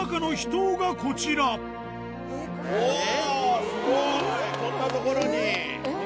おお、すごい！こんな所に。